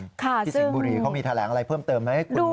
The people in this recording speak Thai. ที่สิงห์บุรีเขามีแถลงอะไรเพิ่มเติมไหม